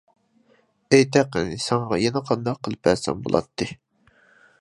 ئېيتە قېنى، ساڭا يەنە قانداق قىلىپ بەرسەم بولاتتى؟ !